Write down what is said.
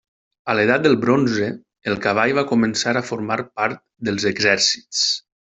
A l'edat del bronze, el cavall va començar a formar part dels exèrcits.